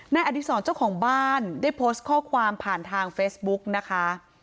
อดีศรเจ้าของบ้านได้โพสต์ข้อความผ่านทางเฟซบุ๊กนะคะ